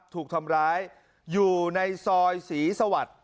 ถูกทำร้ายอยู่ในซอยศรีสวัสดิ์